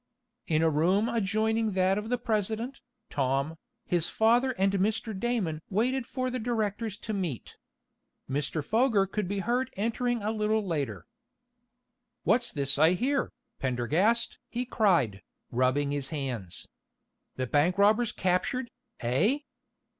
In a room adjoining that of the president, Tom, his father and Mr. Damon waited for the directors to meet. Mr. Foger could be heard entering a little later. "What's this I hear, Pendergast?" he cried, rubbing his hands. "The bank robbers captured, eh?